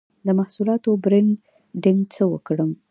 د محصولاتو برنډینګ څنګه وکړم؟